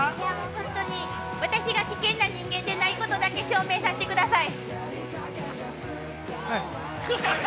◆本当に私が危険な人間でないことだけ証明さしてください。